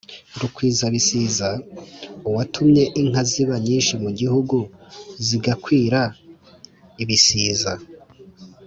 rukwizabisiza: uwatumiye inka ziba nyinshi mu gihugu zigakwira ibisiza